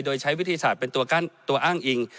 โดยใช้วิทยาศาสตร์เป็นตัวอ้างอิง